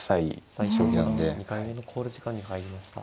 斎藤五段２回目の考慮時間に入りました。